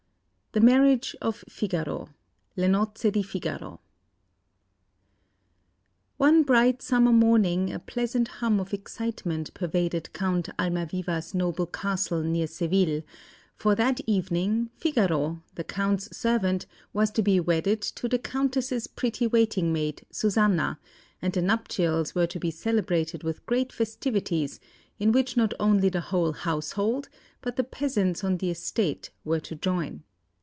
THE MARRIAGE OF FIGARO (Le Nozze di Figaro) One bright summer morning a pleasant hum of excitement pervaded Count Almaviva's noble castle near Seville; for that evening, Figaro, the Count's servant, was to be wedded to the Countess's pretty waiting maid, Susanna, and the nuptials were to be celebrated with great festivities, in which not only the whole household, but the peasants on the estate were to join.